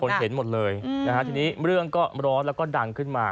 คนเห็นหมดเลยเรื่องก็ร้อนแล้วก็ดังขึ้นมา